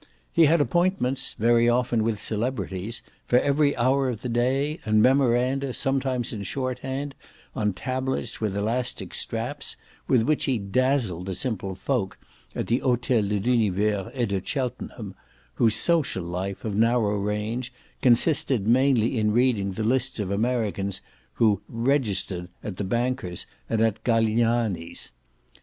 He had appointments very often with celebrities for every hour of the day, and memoranda, sometimes in shorthand, on tablets with elastic straps, with which he dazzled the simple folk at the Hotel de l'Univers et de Cheltenham, whose social life, of narrow range, consisted mainly in reading the lists of Americans who "registered" at the bankers' and at Galignani's.